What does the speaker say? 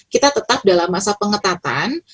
kita tetap dalam masa pengetatan